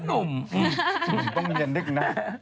หนุ่มต้องเนียนดึกนะ